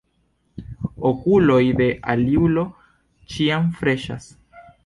Okuloj de aliulo ĉiam freŝas.